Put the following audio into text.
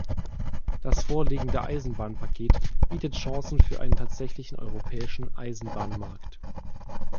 Das vorliegende Eisenbahnpaket bietet Chancen für einen tatsächlichen europäischen Eisenbahnmarkt.